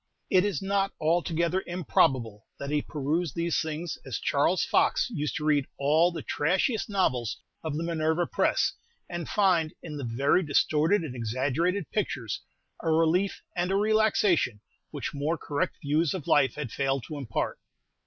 It is not altogether improbable that he perused these things as Charles Fox used to read all the trashiest novels of the Minerva Press, and find, in the very distorted and exaggerated pictures, a relief and a relaxation which more correct views of life had failed to impart.